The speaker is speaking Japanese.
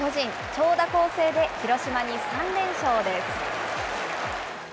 長打攻勢で広島に３連勝です。